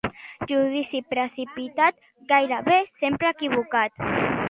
Judici precipitat, gairebé sempre equivocat.